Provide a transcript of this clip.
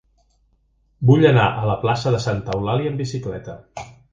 Vull anar a la plaça de Santa Eulàlia amb bicicleta.